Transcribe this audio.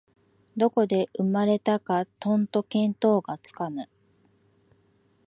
どこで生まれたかとんと見当がつかぬ